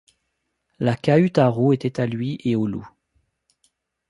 La cahute à roues était à lui et au loup.